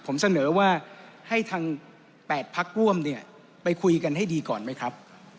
ผมเสนอว่าให้ทาง๘พักร่วมเนี่ยไปคุยกันให้ดีก่อนไหมครับ